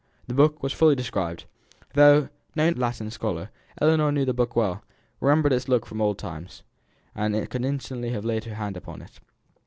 The book was fully described. Though no Latin scholar, Ellinor knew the book well remembered its look from old times, and could instantly have laid her hand upon it.